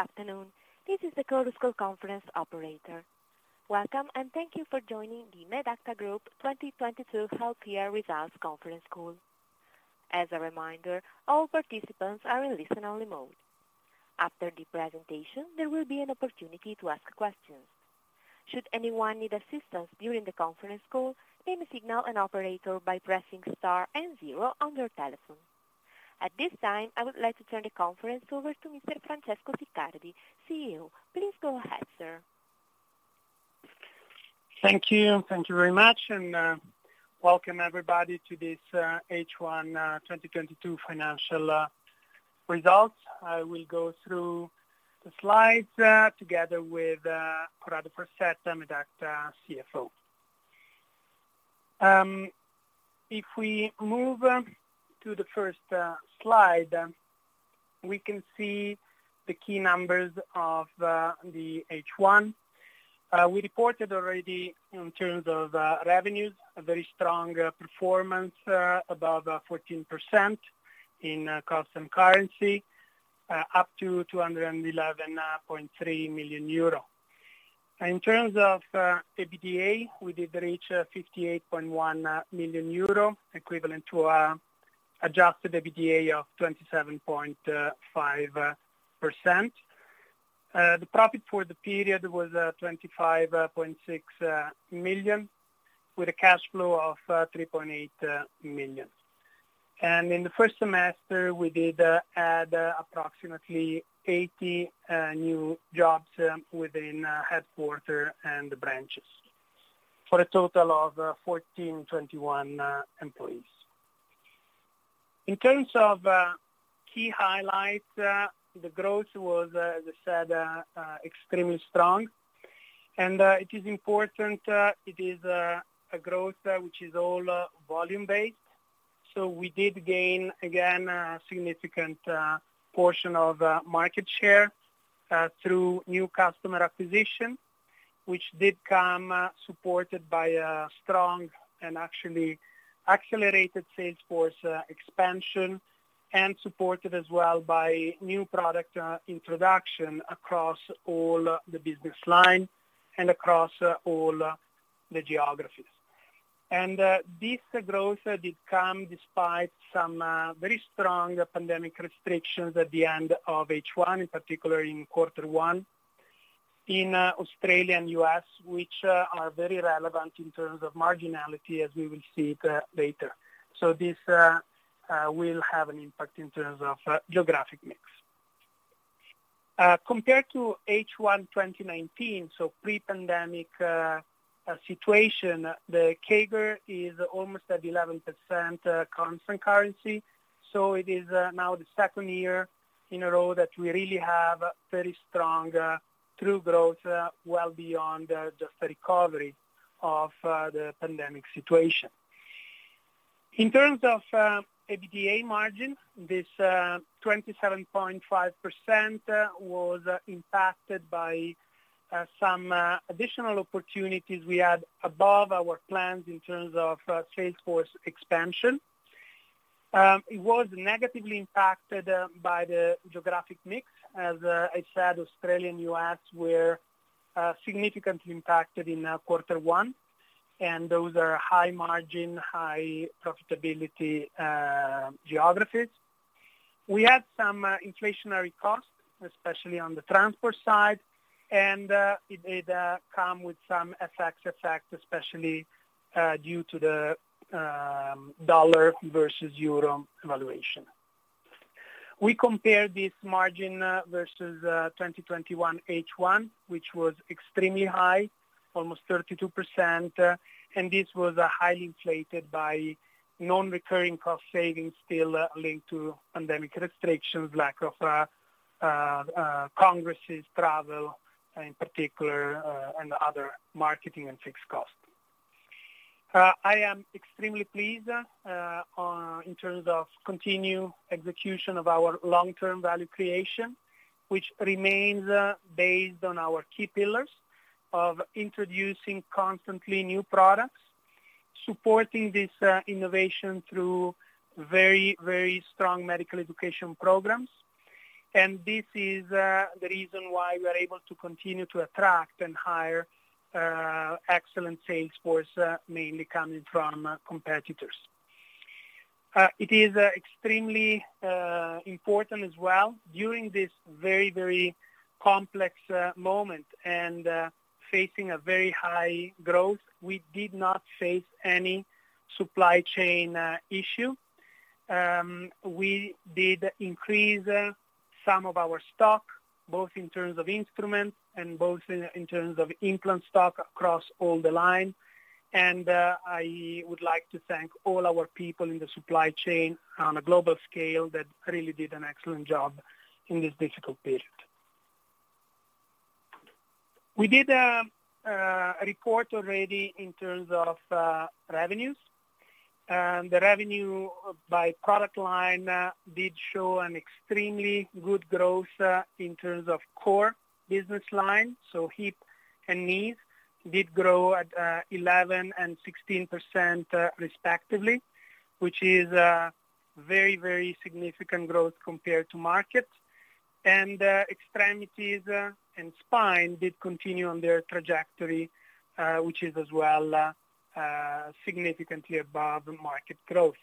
Good afternoon. This is the Chorus Call conference operator. Welcome, and thank you for joining the Medacta Group 2022 Full Year Results Conference Call. As a reminder, all participants are in listen only mode. After the presentation, there will be an opportunity to ask questions. Should anyone need assistance during the conference call, please signal an operator by pressing star and zero on your telephone. At this time, I would like to turn the conference over to Mr. Francesco Siccardi, CEO. Please go ahead, sir. Thank you. Thank you very much, and welcome everybody to this H1 2022 financial results. I will go through the slides together with Corrado Farsetta, Medacta CFO. If we move to the first slide, we can see the key numbers of the H1. We reported already in terms of revenues, a very strong performance above 14% in constant currency, up to 211.3 million euro. In terms of EBITDA, we did reach 58.1 million euro, equivalent to adjusted EBITDA of 27.5%. The profit for the period was 25.6 million, with a cash flow of 3.8 million. In the first semester, we did add approximately 80 new jobs within headquarters and the branches for a total of 1,421 employees. In terms of key highlights, the growth was, as I said, extremely strong. It is important. It is a growth which is all volume-based. We did gain, again, a significant portion of market share through new customer acquisition, which did come supported by a strong and actually accelerated sales force expansion, and supported as well by new product introduction across all the business line and across all the geographies. This growth did come despite some very strong pandemic restrictions at the end of H1, in particular in quarter one in Australia and U.S., which are very relevant in terms of margins, as we will see later. This will have an impact in terms of geographic mix. Compared to H1 2019, so pre-pandemic situation, the CAGR is almost at 11%, constant currency. It is now the second year in a row that we really have very strong true growth well beyond just the recovery of the pandemic situation. In terms of EBITDA margin, this 27.5% was impacted by some additional opportunities we had above our plans in terms of sales force expansion. It was negatively impacted by the geographic mix. As I said, Australia and U.S. were significantly impacted in quarter one, and those are high margin, high profitability geographies. We had some inflationary costs, especially on the transport side, and it did come with some FX effect, especially due to the dollar versus euro valuation. We compare this margin versus 2021 H1, which was extremely high, almost 32%, and this was highly inflated by non-recurring cost savings still linked to pandemic restrictions, lack of congresses, travel in particular, and other marketing and fixed costs. I am extremely pleased in terms of continued execution of our long-term value creation, which remains based on our key pillars of introducing constantly new products, supporting this innovation through very, very strong medical education programs. This is the reason why we are able to continue to attract and hire excellent sales force mainly coming from competitors. It is extremely important as well during this very, very complex moment and facing a very high growth, we did not face any supply chain issue. We did increase some of our stock, both in terms of instruments and both in terms of implant stock across all the line. I would like to thank all our people in the supply chain on a global scale that really did an excellent job in this difficult period. We did report already in terms of revenues. The revenue by product line did show an extremely good growth in terms of core business line. Hip and knee did grow at 11% and 16%, respectively, which is very, very significant growth compared to market. Extremities and spine did continue on their trajectory, which is as well significantly above market growth.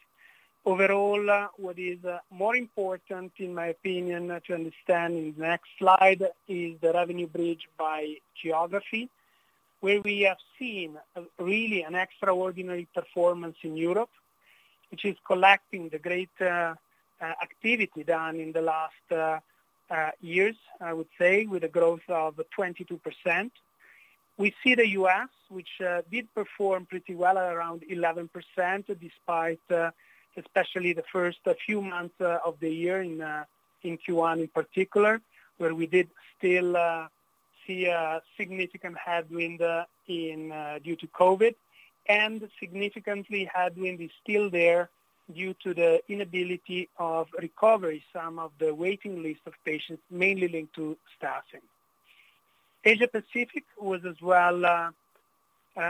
Overall, what is more important, in my opinion, to understand in the next slide is the revenue bridge by geography, where we have seen really an extraordinary performance in Europe, which is collecting the great activity done in the last years, I would say, with a growth of 22%. We see the U.S., which did perform pretty well at around 11%, despite especially the first few months of the year in Q1 in particular, where we did still see a significant headwind due to COVID, and significant headwind is still there due to the inability of recovery some of the waiting list of patients mainly linked to staffing. Asia Pacific was as well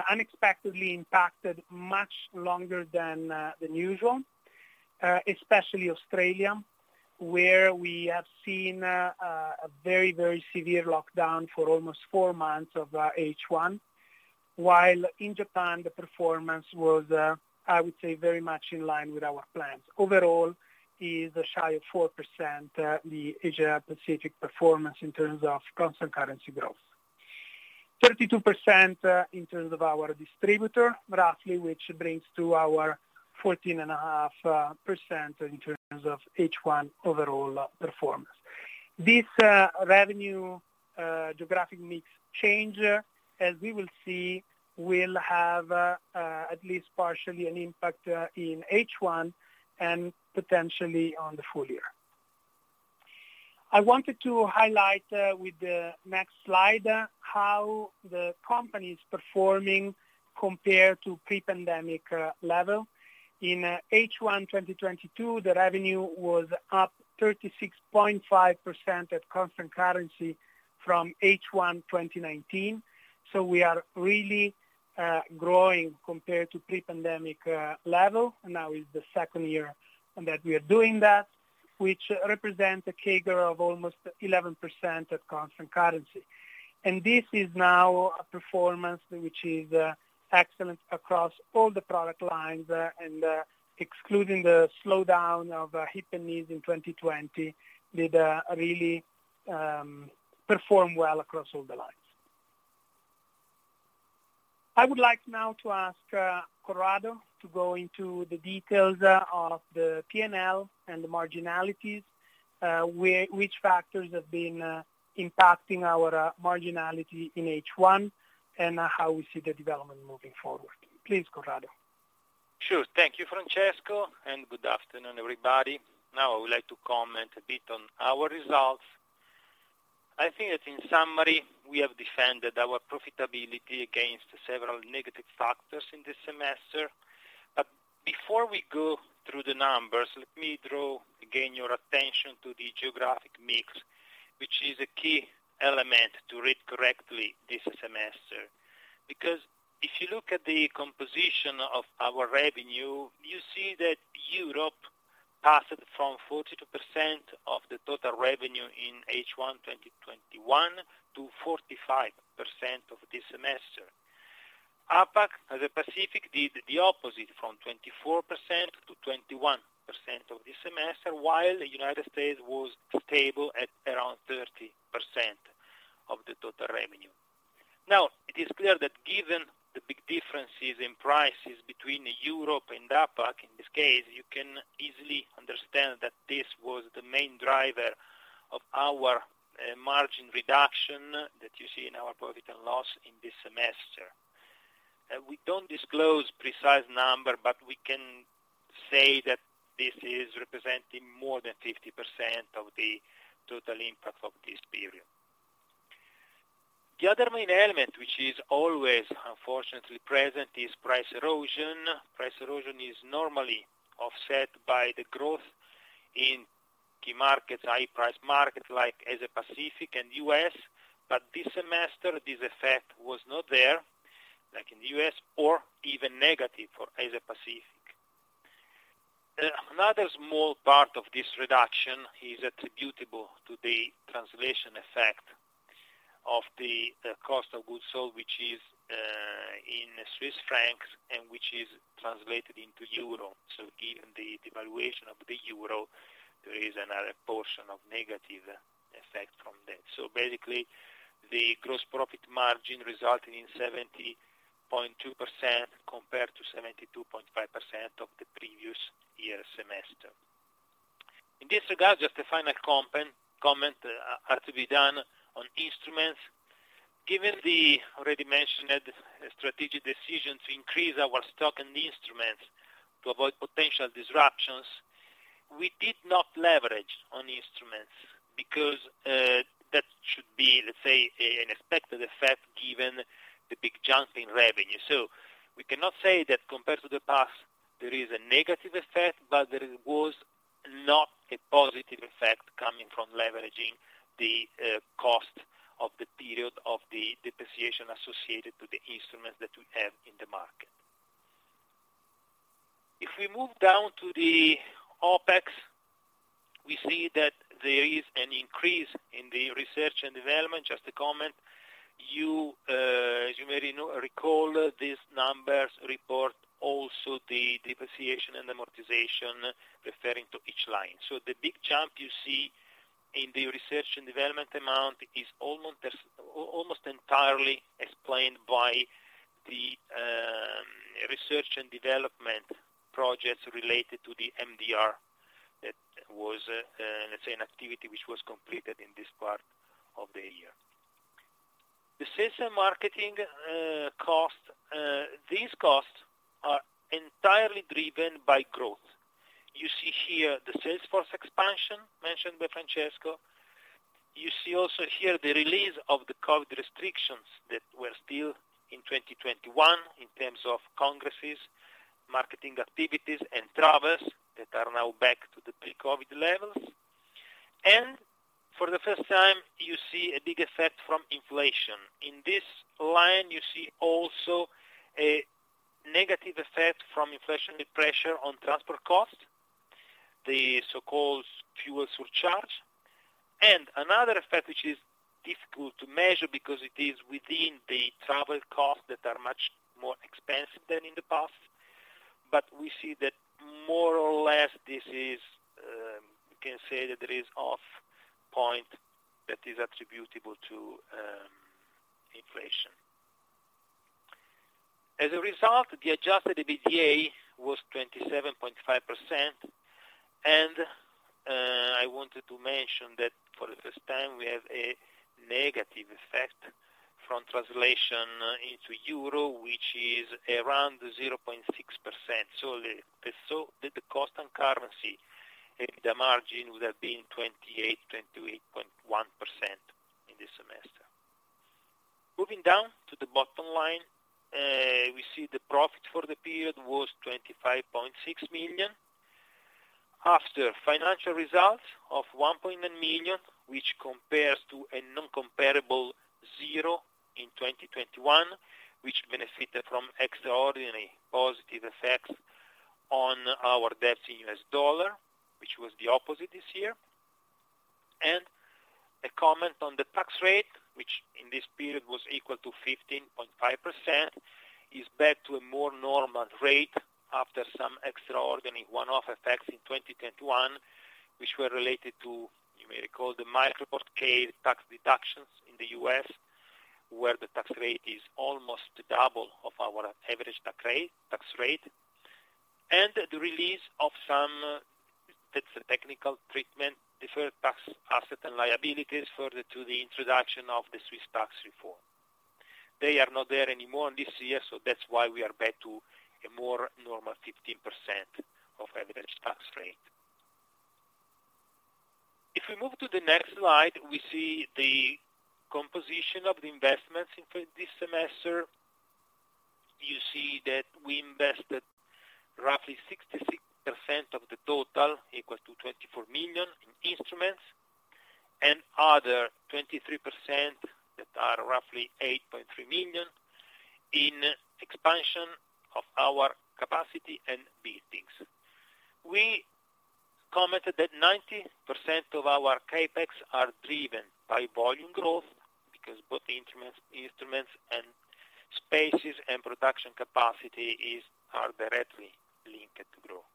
unexpectedly impacted much longer than usual, especially Australia, where we have seen a very severe lockdown for almost four months of H1, while in Japan, the performance was, I would say, very much in line with our plans. Overall, it's shy of 4%, the Asia Pacific performance in terms of constant currency growth. 32%, in terms of our distributor, roughly, which brings us to our 14.5% in terms of H1 overall performance. This revenue geographic mix change, as we will see, will have at least partially an impact in H1 and potentially on the full year. I wanted to highlight with the next slide how the company is performing compared to pre-pandemic level. In H1 2022, the revenue was up 36.5% at constant currency from H1 2019. We are really growing compared to pre-pandemic level. Now is the second year that we are doing that, which represent a CAGR of almost 11% at constant currency. This is now a performance which is excellent across all the product lines and excluding the slowdown of hip and knees in 2020 did really perform well across all the lines. I would like now to ask Corrado to go into the details of the P&L and the marginalities, which factors have been impacting our marginality in H1 and how we see the development moving forward. Please, Corrado. Sure. Thank you, Francesco, and good afternoon, everybody. Now I would like to comment a bit on our results. I think that in summary, we have defended our profitability against several negative factors in this semester. Before we go through the numbers, let me draw again your attention to the geographic mix, which is a key element to read correctly this semester. Because if you look at the composition of our revenue, you see that Europe passed from 42% of the total revenue in H1 2021 to 45% of this semester. APAC, Asia-Pacific, did the opposite, from 24%-21% of this semester, while the United States was stable at around 30% of the total revenue. Now, it is clear that given the big differences in prices between Europe and APAC, in this case, you can easily understand that this was the main driver of our margin reduction that you see in our profit and loss in this semester. We don't disclose precise number, but we can say that this is representing more than 50% of the total impact of this period. The other main element, which is always, unfortunately, present, is price erosion. Price erosion is normally offset by the growth in key markets, high price markets like Asia-Pacific and U.S., But this semester, this effect was not there, like in the U.S., or even negative for Asia-Pacific. Another small part of this reduction is attributable to the translation effect of the cost of goods sold, which is in Swiss francs and which is translated into euro. Given the devaluation of the euro, there is another portion of negative effect from that. Basically, the gross profit margin resulted in 70.2% compared to 72.5% of the previous year semester. In this regard, just a final comment to be done on instruments. Given the already mentioned strategic decision to increase our stock and instruments to avoid potential disruptions, we did not leverage on instruments because that should be, let's say, an expected effect given the big jump in revenue. We cannot say that compared to the past, there is a negative effect, but there was not a positive effect coming from leveraging the cost of the period of the depreciation associated to the instruments that we have in the market. If we move down to the OpEx, we see that there is an increase in the research and development. Just a comment. As you may recall, these numbers report also the depreciation and amortization referring to each line. So the big jump you see in the research and development amount is almost entirely explained by the research and development projects related to the MDR. That was, let's say, an activity which was completed in this part of the year. The sales and marketing costs, these costs are entirely driven by growth. You see here the sales force expansion mentioned by Francesco. You see also here the release of the COVID restrictions that were still in 2021 in terms of congresses, marketing activities and travels that are now back to the pre-COVID levels. For the first time, you see a big effect from inflation. In this line, you see also a negative effect from inflationary pressure on transport costs, the so-called fuel surcharge. Another effect which is difficult to measure because it is within the travel costs that are much more expensive than in the past. We see that more or less this is, we can say that there is a point that is attributable to inflation. As a result, the adjusted EBITDA was 27.5%. I wanted to mention that for the first time we have a negative effect from translation into euro, which is around 0.6%. So the constant currency, the margin would have been 28.1% in this semester. Moving down to the bottom line, we see the profit for the period was 25.6 million. After financial results of 1.9 million, which compares to a non-comparable zero in 2021, which benefited from extraordinary positive effects on our debt in U.S. dollar, which was the opposite this year. A comment on the tax rate, which in this period was equal to 15.5%, is back to a more normal rate after some extraordinary one-off effects in 2021, which were related to, you may recall, the MicroPort tax deductions in the U.S., where the tax rate is almost double of our average tax rate. That's a technical treatment, deferred tax assets and liabilities further to the introduction of the Swiss tax reform. They are not there anymore this year, so that's why we are back to a more normal 15% average tax rate. If we move to the next slide, we see the composition of the investments in this semester. You see that we invested roughly 66% of the total, equal to 24 million in instruments, and other 23% that are roughly 8.3 million in expansion of our capacity and buildings. We commented that 90% of our CapEx are driven by volume growth, because both instruments and spaces and production capacity are directly linked to growth.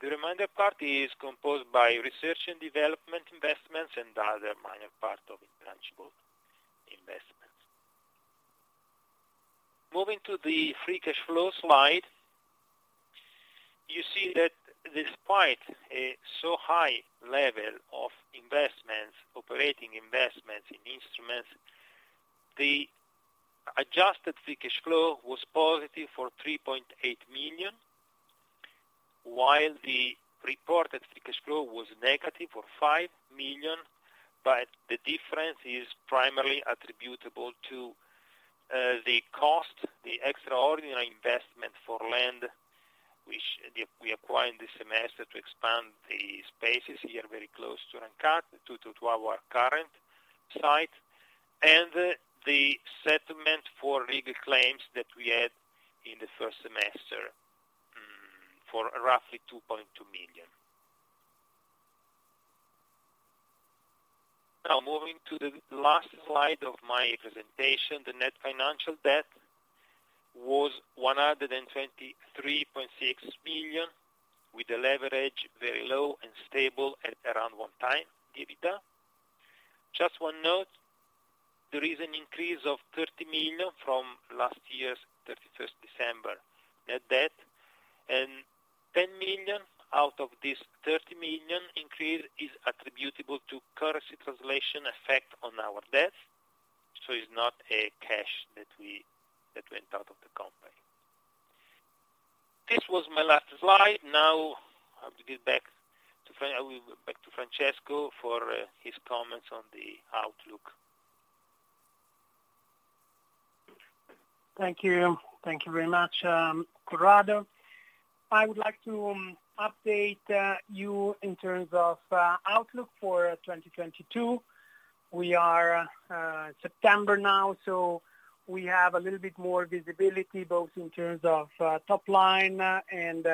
The remainder part is composed by research and development investments, and the other minor part of intangible investments. Moving to the free cash flow slide, you see that despite a so high level of investments, operating investments in instruments, the adjusted free cash flow was positive for 3.8 million, while the reported free cash flow was negative for 5 million. The difference is primarily attributable to the cost, the extraordinary investment for land, which we acquired this semester to expand the spaces here very close to Rancate, to our current site, and the settlement for legal claims that we had in the first semester, for roughly 2.2 million. Now, moving to the last slide of my presentation. The net financial debt was 123.6 million, with a leverage very low and stable at around 1x EBITDA. Just one note, there is an increase of 30 million from last year's December 31st net debt, and 10 million out of this 30 million increase is attributable to currency translation effect on our debt. It's not cash that went out of the company. This was my last slide. Now I will give back to Francesco Siccardi for his comments on the outlook. Thank you. Thank you very much, Corrado. I would like to update you in terms of outlook for 2022. We are September now, so we have a little bit more visibility, both in terms of top line and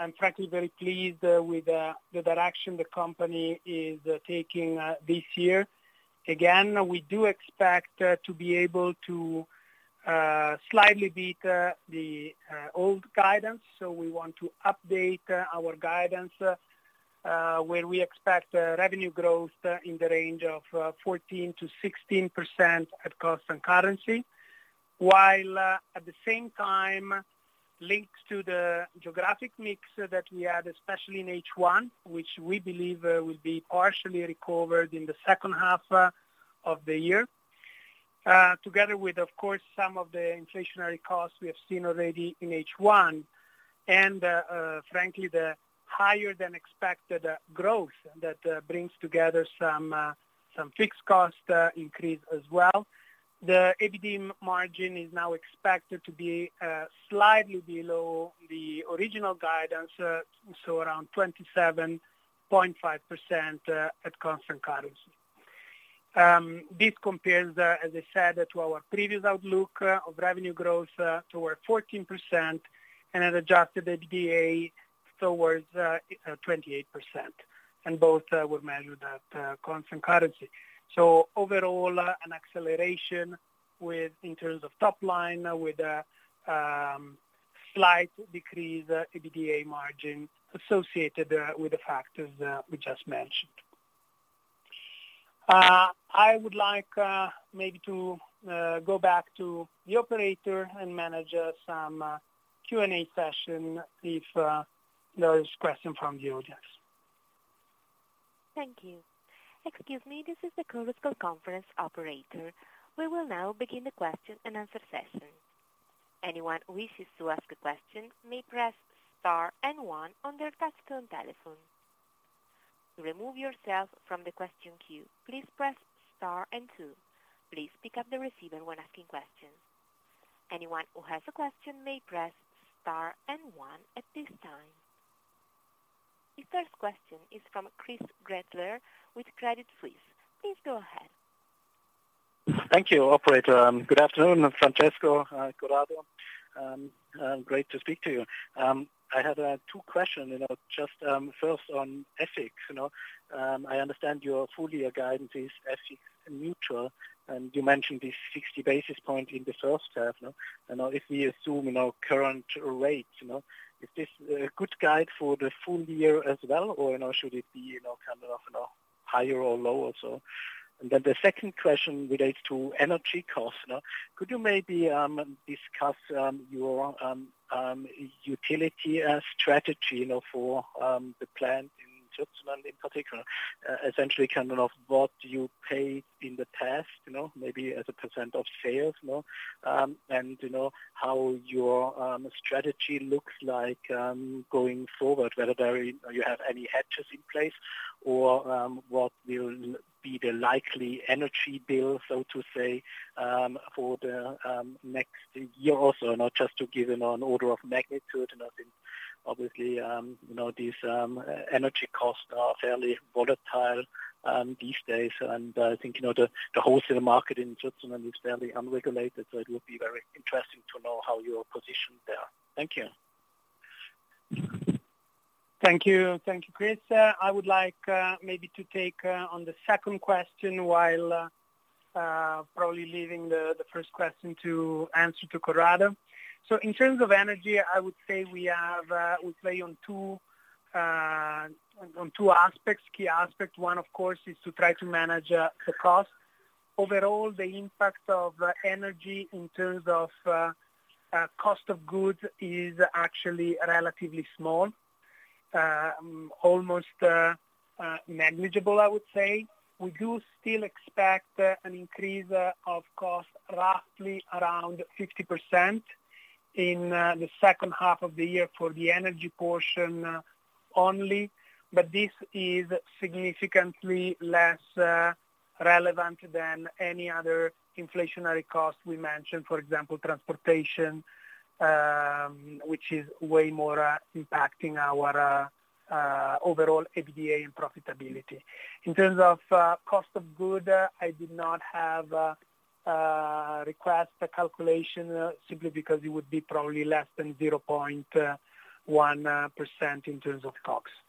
I'm frankly very pleased with the direction the company is taking this year. Again, we do expect to be able to slightly beat the old guidance, so we want to update our guidance where we expect revenue growth in the range of 14%-16% at constant currency. While at the same time, linked to the geographic mix that we had, especially in H1, which we believe will be partially recovered in the second half of the year. Together with, of course, some of the inflationary costs we have seen already in H1 and, frankly, the higher than expected growth that brings together some fixed cost increase as well. The EBITDA margin is now expected to be slightly below the original guidance, so around 27.5% at constant currency. This compares, as I said, to our previous outlook of revenue growth toward 14% and an adjusted EBITDA towards 28%, and both were measured at constant currency. Overall, an acceleration in terms of top line with a slight decrease EBITDA margin associated with the factors we just mentioned. I would like maybe to go back to the operator and manage some Q&A session if there is question from the audience. Thank you. Excuse me. This is the conference operator. We will now begin the question and answer session. Anyone who wishes to ask a question may press star and one on their touchtone telephone. To remove yourself from the question queue, please press star and two. Please pick up the receiver when asking questions. Anyone who has a question may press star and one at this time. The first question is from Chris Gretler with Credit Suisse. Please go ahead. Thank you, operator. Good afternoon, Francesco, Corrado. Great to speak to you. I had two questions, you know, just first on FX, you know. I understand your full year guidance is FX neutral, and you mentioned the 60 basis points in the first half, no? Now if we assume, you know, current rates, you know, is this a good guide for the full year as well? Or, you know, should it be, you know, kind of, you know, higher or lower? The second question relates to energy costs, you know. Could you maybe discuss your utility strategy, you know, for the plant in Switzerland in particular? Essentially kind of what you paid in the past, you know, maybe as a percent of sales, you know. You know, how your strategy looks like going forward, whether there you have any hedges in place or what will be the likely energy bill, so to say, for the next year or so, not just to give, you know, an order of magnitude. You know, I think obviously, you know, these energy costs are fairly volatile these days. I think, you know, the wholesale market in Switzerland is fairly unregulated, so it would be very interesting to know how you're positioned there. Thank you. Thank you. Thank you, Chris. I would like maybe to take on the second question while probably leaving the first question to answer to Corrado. In terms of energy, I would say we play on two key aspects. One, of course, is to try to manage the cost. Overall, the impact of energy in terms of cost of goods is actually relatively small, almost negligible, I would say. We do still expect an increase of cost roughly around 50% in the second half of the year for the energy portion only. But this is significantly less relevant than any other inflationary costs we mentioned, for example, transportation, which is way more impacting our overall EBITDA and profitability. In terms of cost of goods, I did not have a request, a calculation simply because it would be probably less than 0.1% in terms of costs.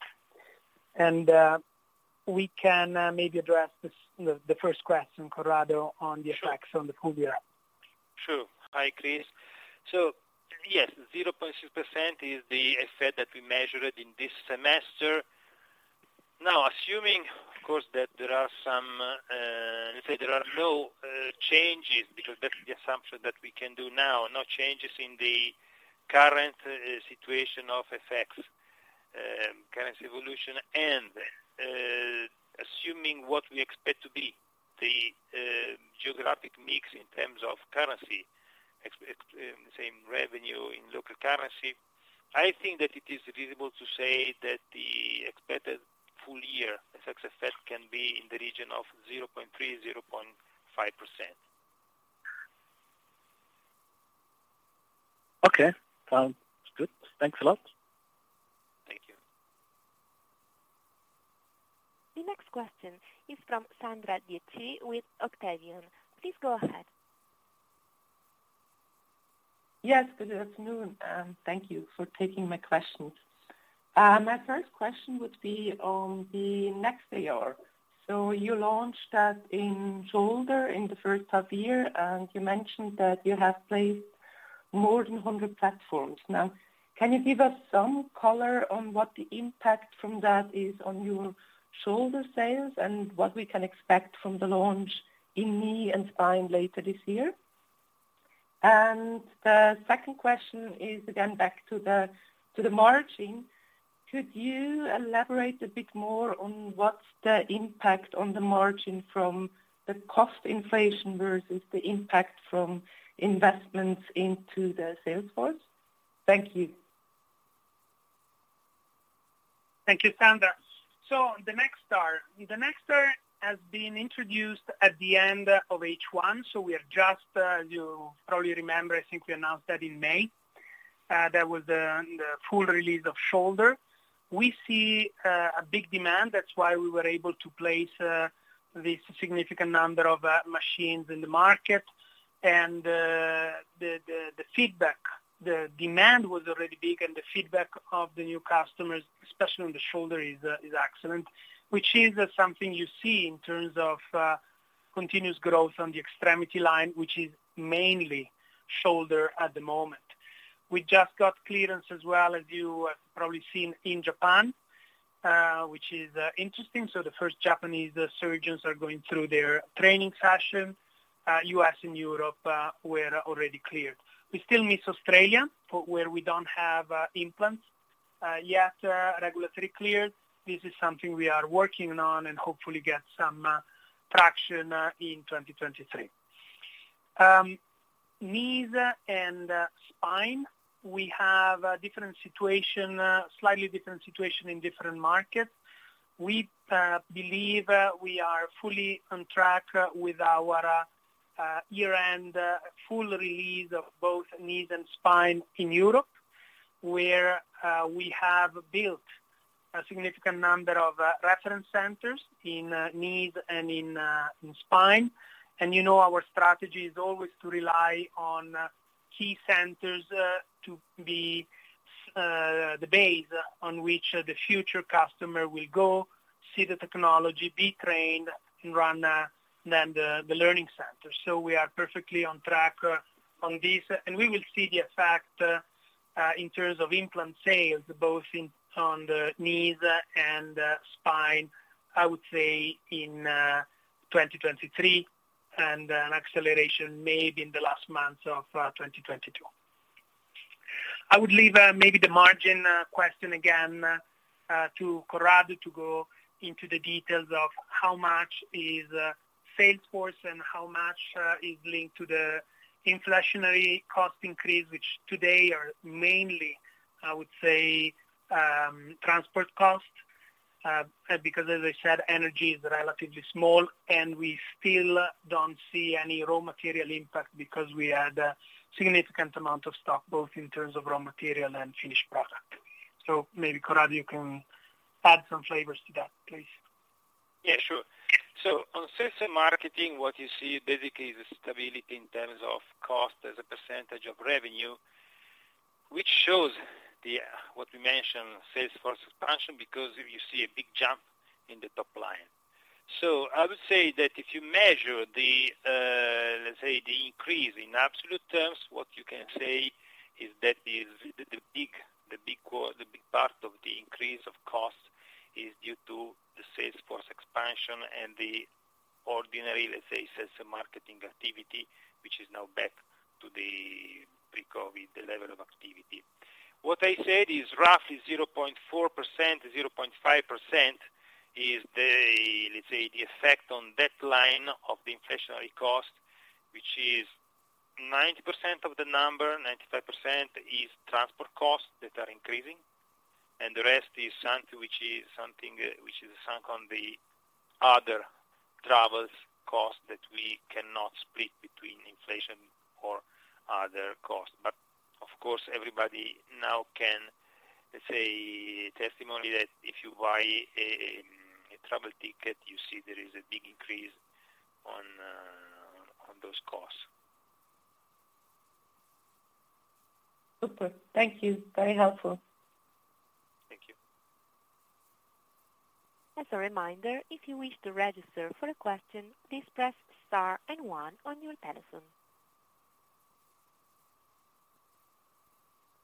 We can maybe address this, the first question, Corrado, on the effects on the full year. Sure. Hi, Chris. Yes, 0.6% is the effect that we measured in this semester. Now, assuming, of course, that, let's say, there are no changes because that's the assumption that we can do now. No changes in the current situation or effects, currency evolution. Assuming what we expect to be the geographic mix in terms of currency, ex-FX same revenue in local currency. I think that it is reasonable to say that the expected full year success effect can be in the region of 0.3%-0.5%. Okay. Good. Thanks a lot. Thank you. The next question is from Sandra Dietschy with Octavian. Please go ahead. Yes, good afternoon, and thank you for taking my questions. My first question would be on the NextAR. So you launched that in shoulder in the first half year, and you mentioned that you have placed more than 100 platforms. Now, can you give us some color on what the impact from that is on your shoulder sales and what we can expect from the launch in knee and spine later this year? The second question is again, back to the margin. Could you elaborate a bit more on what's the impact on the margin from the cost inflation versus the impact from investments into the sales force? Thank you. Thank you, Sandra. The NextAR. The NextAR has been introduced at the end of H1, so we are just, you probably remember, I think we announced that in May. That was the full release of shoulder. We see a big demand. That's why we were able to place this significant number of machines in the market. The feedback. The demand was already big, and the feedback of the new customers, especially on the shoulder, is excellent, which is something you see in terms of continuous growth on the extremity line, which is mainly shoulder at the moment. We just got clearance as well as you have probably seen in Japan, which is interesting. The first Japanese surgeons are going through their training session. U.S. and Europe were already cleared. We still miss Australia, but where we don't have implants yet regulatory cleared. This is something we are working on and hopefully get some traction in 2023. Knees and spine, we have a different situation, slightly different situation in different markets. We believe we are fully on track with our year-end full release of both knees and spine in Europe, where we have built a significant number of reference centers in knees and in spine. You know, our strategy is always to rely on key centers to be the base on which the future customer will go, see the technology, be trained and run, then the learning center. We are perfectly on track on this, and we will see the effect in terms of implant sales both in on the knees and spine, I would say in 2023 and an acceleration maybe in the last months of 2022. I would leave maybe the margin question again to Corrado to go into the details of how much is sales force and how much is linked to the inflationary cost increase, which today are mainly, I would say, transport costs. Because as I said, energy is relatively small, and we still don't see any raw material impact because we had a significant amount of stock both in terms of raw material and finished product. Maybe Corrado, you can add some flavors to that, please. Yeah, sure. On sales and marketing, what you see basically is a stability in terms of cost as a percentage of revenue, which shows the, what we mentioned, sales force expansion, because you see a big jump in the top line. I would say that if you measure the, let's say, the increase in absolute terms, what you can say is that the big part of the increase of cost is due to the sales force expansion and the ordinary, let's say, sales and marketing activity, which is now back to the pre-COVID level of activity. What I said is roughly 0.4%, 0.5% is the, let's say, the effect on that line of the inflationary cost, which is 90% of the number. 95% is transport costs that are increasing, and the rest is something which is sunk on the other travel costs that we cannot split between inflation or other costs. Of course, everybody now can bear testimony that if you buy a travel ticket, you see there is a big increase on those costs. Super. Thank you. Very helpful. Thank you. As a reminder, if you wish to register for a question, please press star and one on your telephone.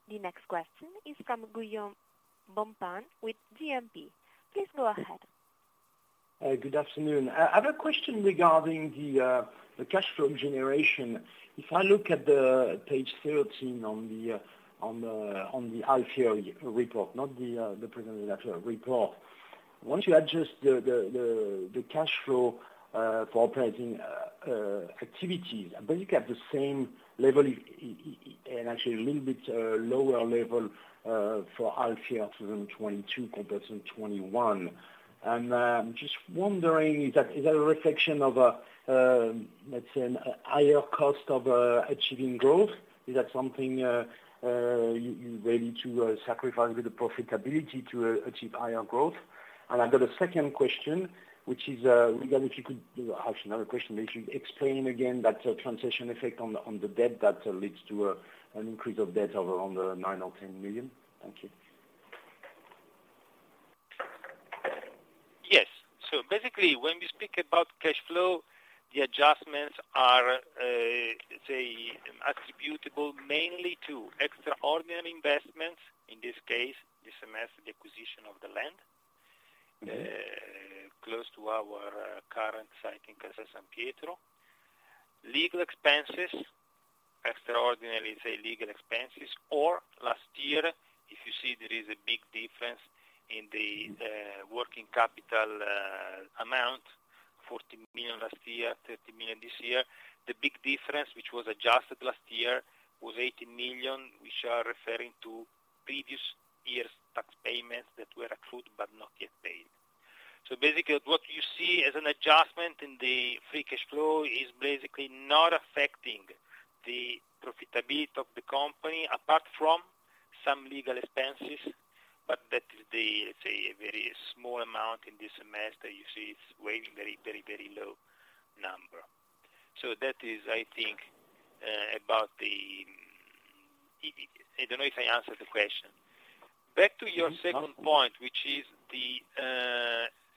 The next question is from. Please go ahead. Good afternoon. I have a question regarding the cash flow generation. If I look at page 13 on the half-yearly report, not the presentation, the actual report. Once you adjust the cash flow for operating activities, basically at the same level and actually a little bit lower level for half year 2022 compared to 2021. I'm just wondering is that a reflection of a, let's say a higher cost of achieving growth? Is that something you are ready to sacrifice with the profitability to achieve higher growth? I've got a second question, which is regarding if you could. Actually, not a question. If you could explain again that transition effect on the debt that leads to an increase of debt of around 9 million or 10 million. Thank you. Yes. Basically, when we speak about cash flow, the adjustments are, let's say, attributable mainly to extraordinary investments, in this case, this semester, the acquisition of the land. Mm-hmm. Close to our current site in Castel San Pietro. Legal expenses, extraordinary legal expenses, or last year, if you see there is a big difference in the working capital amount, 40 million last year, 30 million this year. The big difference which was adjusted last year was 80 million, which are referring to previous year's tax payments that were accrued but not yet paid. Basically what you see as an adjustment in the free cash flow is basically not affecting the profitability of the company, apart from some legal expenses, but that is the very small amount in this semester. You see it's a very low number. That is I think about the. I don't know if I answered the question. Back to your second point, which is the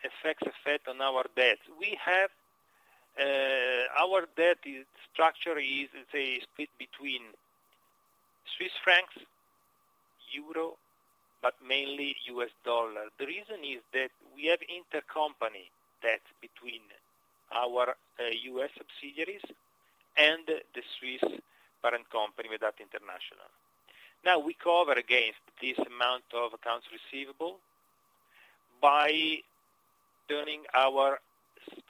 FX effect on our debt. We have our debt structure is, say, split between Swiss francs, euro, but mainly U.S. dollar. The reason is that we have intercompany debt between our U.S. subsidiaries and the Swiss parent company, Medacta International SA. Now, we cover against this amount of accounts receivable by turning our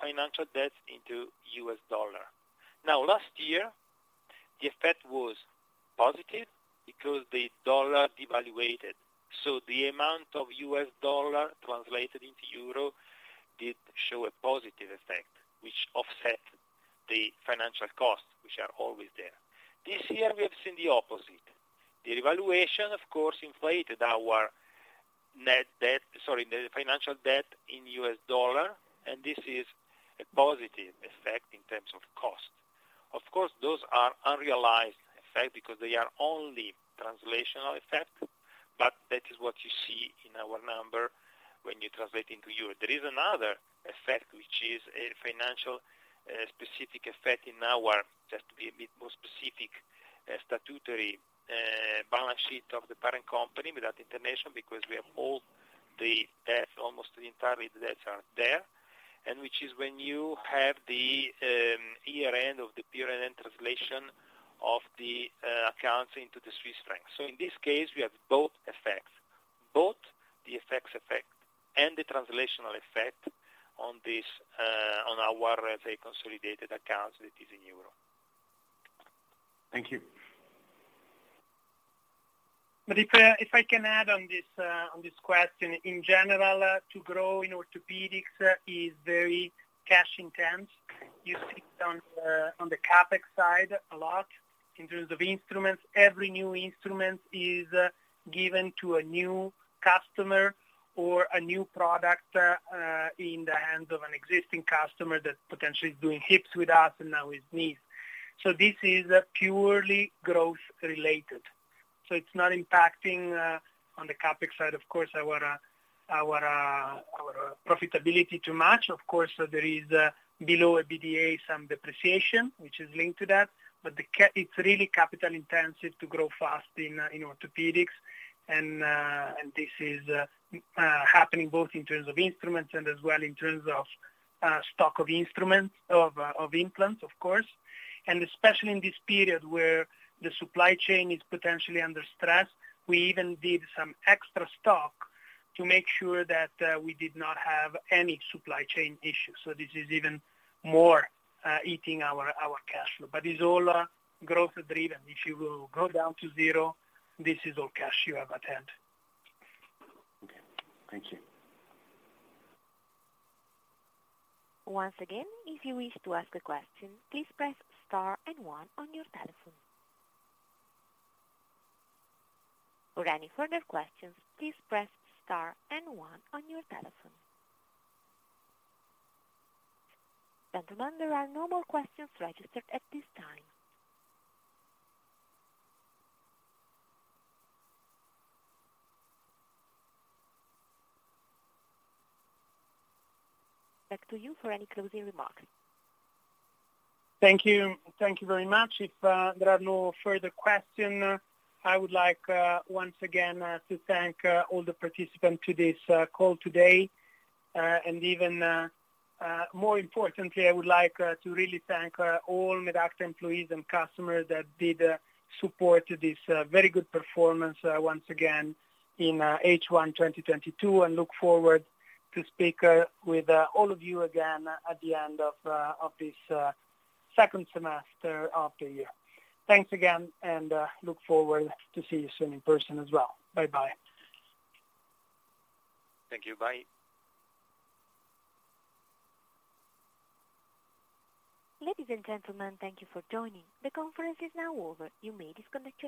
financial debt into U.S. dollar. Now, last year, the effect was positive because the dollar devalued. The amount of U.S. dollar translated into euro did show a positive effect, which offset the financial costs, which are always there. This year we have seen the opposite. The revaluation of course inflated our net debt, sorry, the financial debt in U.S. dollar, and this is a positive effect in terms of cost. Of course, those are unrealized effect because they are only translational effect, but that is what you see in our number when you translate into euro. There is another effect which is a financial specific effect in our, just to be a bit more specific, statutory balance sheet of the parent company, Medacta International, because we have all the debt, almost the entire debts are there. Which is when you have the year-end of the period and translation of the accounts into the Swiss franc. In this case, we have both effects. Both the FX effect and the translational effect on our, let's say, consolidated accounts that is in euro. Thank you. If I can add on this question. In general, to grow in orthopedics is very cash intensive. You see it on the CapEx side a lot in terms of instruments. Every new instrument is given to a new customer or a new product in the hands of an existing customer that potentially is doing hips with us and now with knees. This is purely growth related. It's not impacting on the CapEx side, of course, our profitability too much. Of course, there is below EBITDA some depreciation, which is linked to that. It's really capital intensive to grow fast in orthopedics. This is happening both in terms of instruments and as well in terms of stock of instruments, of implants of course. Especially in this period where the supply chain is potentially under stress. We even did some extra stock to make sure that we did not have any supply chain issues. This is even more eating our cash flow. It's all growth driven. If you will go down to zero, this is all cash you have at hand. Okay. Thank you. Once again, if you wish to ask a question, please press star and one on your telephone. For any further questions, please press star and one on your telephone. Gentlemen, there are no more questions registered at this time. Back to you for any closing remarks. Thank you. Thank you very much. If there are no further question, I would like once again to thank all the participants to this call today. Even more importantly, I would like to really thank all Medacta employees and customers that did support this very good performance once again in H1 2022, and look forward to speak with all of you again at the end of this second semester of the year. Thanks again and look forward to see you soon in person as well. Bye-bye. Thank you. Bye. Ladies and gentlemen, thank you for joining. The conference is now over. You may disconnect your-